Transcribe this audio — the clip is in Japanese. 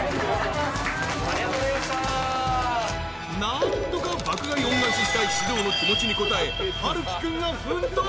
［何とか爆買い恩返ししたい獅童の気持ちに応えハルキ君が奮闘］